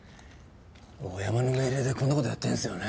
大山の命令でこんなことやってんすよね。